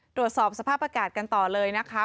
ตรวจสอบสภาพอากาศกันต่อเลยนะคะ